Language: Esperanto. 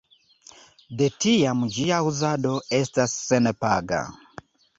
De tiam ĝia uzado estas senpaga.